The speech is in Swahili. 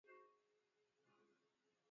Kikohozi kutokana na maji yaliyo mapafuni